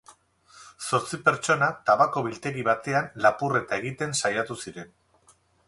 Zortzi pertsona tabako biltegi batean lapurreta egiten saiatu ziren.